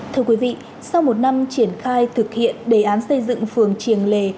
thưa quý vị sau một năm triển khai thực hiện đề án xây dựng phường triềng lề